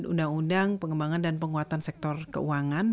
undang undang pengembangan dan penguatan sektor keuangan